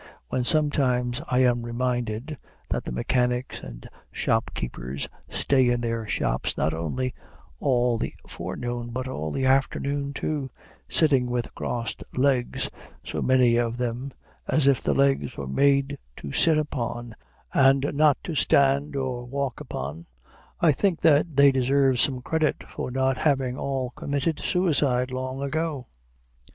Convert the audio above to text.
When sometimes I am reminded that the mechanics and shopkeepers stay in their shops not only all the forenoon, but all the afternoon too, sitting with crossed legs, so many of them, as if the legs were made to sit upon, and not to stand or walk upon, I think that they deserve some credit for not having all committed suicide long ago.